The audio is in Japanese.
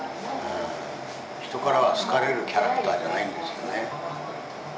人からは好かれるキャラクターじゃないんですよね。